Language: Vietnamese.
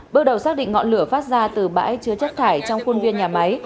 bước đầu xác định ngọn lửa phát ra từ bãi chứa chất thải trong khuôn viên nhà máy